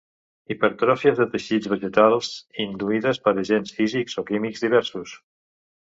Hipertròfies de teixits vegetals induïdes per agents físics o químics diversos.